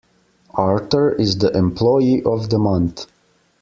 Arthur is the employee of the month.